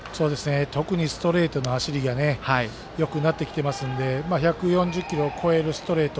特にストレートの走りがよくなってきてますので１４０キロを超えるストレート